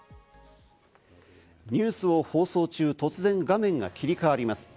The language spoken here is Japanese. ニュースを放送中、突然画面が切り替わります。